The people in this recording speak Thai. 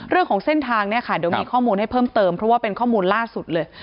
เรื่องของเส้นทางเนี่ยค่ะเดี๋ยวมีข้อมูลให้เพิ่มเติมเพราะว่าเป็นข้อมูลล่าสุดเลย